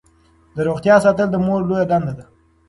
د روغتیا ساتل د مور لویه دنده ده.